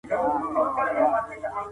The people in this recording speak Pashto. د سولي راوستل د سیمې د امنیت لپاره اړین دي.